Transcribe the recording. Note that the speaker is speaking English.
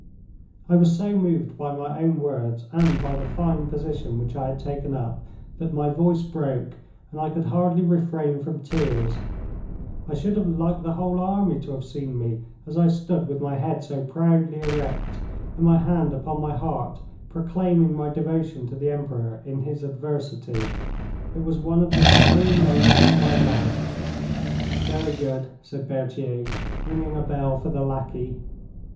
I was so moved by my own words and by the fine position which I had taken up, that my voice broke, and I could hardly refrain from tears. I should have liked the whole army to have seen me as I stood with my head so proudly erect and my hand upon my heart proclaiming my devotion to the Emperor in his adversity. It was one of the supreme moments of my life. 'Very good,' said Berthier, ringing a bell for the lackey.